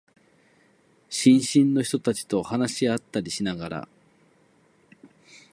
新進の人たちと話し合ったりしながら、